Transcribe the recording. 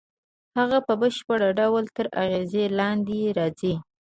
هغه په بشپړ ډول تر اغېز لاندې یې راځي